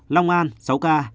long an sáu ca